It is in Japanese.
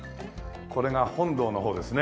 これが本道の方ですね。